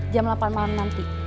jam delapan malam nanti